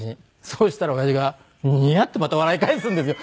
そうしたら親父がニヤッてまた笑い返すんですよ。